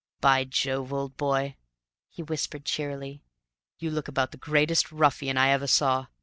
"By Jove, old boy," he whispered cheerily, "you look about the greatest ruffian I ever saw!